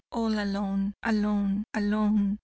all alone, alone, alone